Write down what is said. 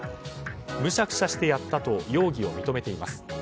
むしゃくしゃしてやったと容疑を認めています。